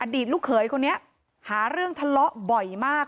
ตลูกเขยคนนี้หาเรื่องทะเลาะบ่อยมาก